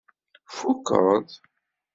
Tfukeḍ?